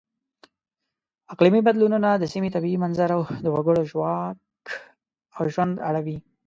اقلیمي بدلونونه د سیمې طبیعي منظر او د وګړو ژواک او ژوند اړوي.